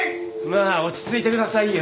まあ落ち着いてくださいよ。